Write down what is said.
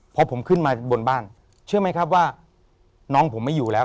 พอผมขึ้นมาบนบ้านเชื่อไหมครับว่าน้องผมไม่อยู่แล้ว